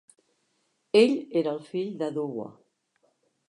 Ell era el fill de Duwa.